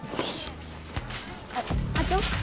あっ課長？